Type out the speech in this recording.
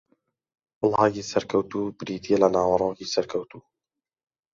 بڵاگی سەرکەوتوو بریتییە لە ناوەڕۆکی سەرکەوتوو